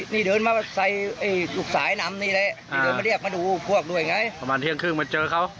นี่เดินมาใส่ลูกสายน้ำนี่เลยประมาณเที่ยงครึ่งมาเจอเขา